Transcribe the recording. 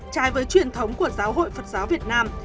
trái với truyền thống của giáo hội phật giáo việt nam